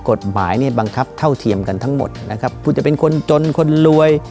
กฎหมายเนี่ยบังคับเท่าเทียมกันทั้งหมดนะครับผู้จะเป็นคนจนคนรวย